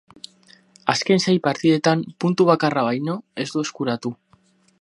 Azken sei partidetan puntu bakarra baino ez du eskuratu.